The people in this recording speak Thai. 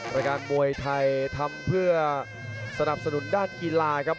รายการมวยไทยทำเพื่อสนับสนุนด้านกีฬาครับ